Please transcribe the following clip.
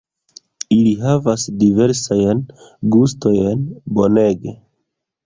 Ili havas diversajn gustojn, bonege